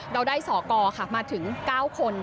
เราได้สอกรค่ะมาถึง๙คน